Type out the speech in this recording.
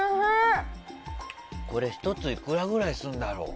これ１ついくらぐらいするんだろう。